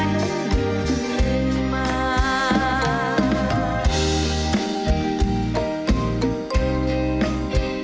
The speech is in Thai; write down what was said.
เสียงรัก